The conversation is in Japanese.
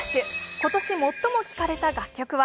今年最も聴かれた楽曲は？